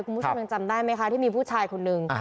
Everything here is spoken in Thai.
คุณผู้ชมยังจำได้ไหมคะที่มีผู้ชายคนหนึ่ง